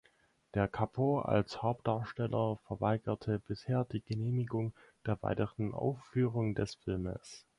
Der Capo als Hauptdarsteller, verweigerte bisher die Genehmigung der weiteren Aufführung des Filmes.